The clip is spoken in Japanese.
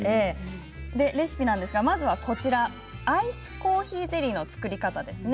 レシピなんですがまずはアイスコーヒーゼリーの作り方ですね。